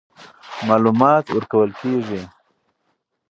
معلومات ورکول کېږي.